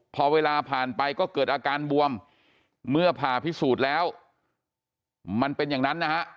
พอเวลาผ่านไปก็เกิดอาการบวมเมื่อผ่าพิสูจน์แล้วมันเป็นอย่างนั้นนะฮะ